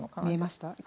見えました？